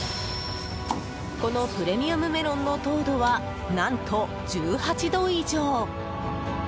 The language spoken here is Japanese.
このプレミアムメロンの糖度は何と１８度以上！